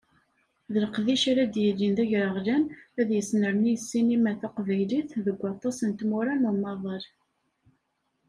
D leqdic ara yilin d agraɣlan, ara yesnernin ssinima taqbaylit deg waṭas n tmura n umaḍal.